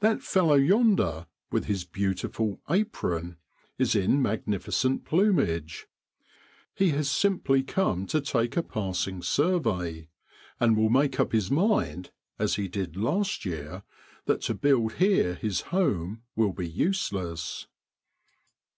That fellow yonder, with his beautiful ' apron,' is in magnificent plumage. He has simply come to take a passing survey ; and will make up his mind, as he did last year, that to build here his home will be useless.